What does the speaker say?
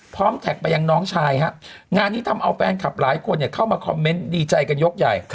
แท็กไปยังน้องชายฮะงานนี้ทำเอาแฟนคลับหลายคนเข้ามาคอมเมนต์ดีใจกันยกใหญ่